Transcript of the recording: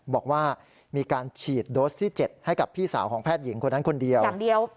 บอกว่ามีการฉีดโดสที่๗ให้กับพี่สาวของแพทย์หญิงคนนั้นคนเดียวอย่างเดียว